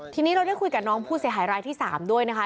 ทีนี้เราได้คุยกับน้องผู้เสียหายรายที่๓ด้วยนะคะ